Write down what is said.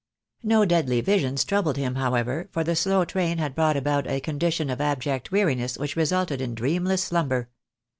No deadly visions troubled him, however, for the slow train had brought about a condition of abject weariness which resulted in dreamless slumber.